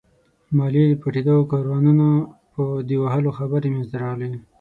د ماليې د پټېدو او د کاروانونو د وهلو خبرې مينځته راغلې.